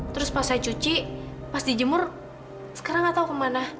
terus pas saya cuci pas dijemur sekarang nggak tahu kemana